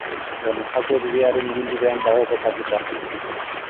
Done Jakue Bidearen ibilbidean dago kokatuta.